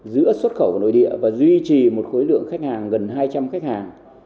giữa xuất khẩu nội địa và duy trì một khối lượng khách hàng gần hai trăm linh khách hàng